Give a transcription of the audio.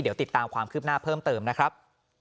เดี๋ยวติดตามความคืบหน้าเพิ่มเติมนะครับ